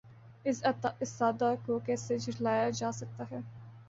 اس استدعاکو کیسے جھٹلایا جاسکتاہے؟